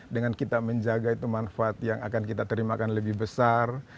dengan kita menjaga itu manfaat yang akan kita terimakan lebih besar